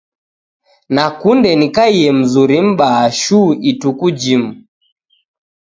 Nakunde nikaiye mzuri m'baa shuu ituku jimu.